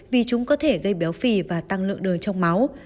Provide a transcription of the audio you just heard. vì chúng có thể gây béo phì và tăng lượng đời trong máu